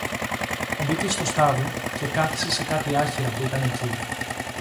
Μπήκε στο στάβλο, και κάθησε σε κάτι άχυρα που ήταν εκεί